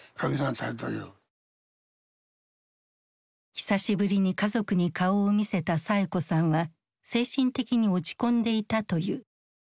久しぶりに家族に顔を見せたサエ子さんは精神的に落ち込んでいたという。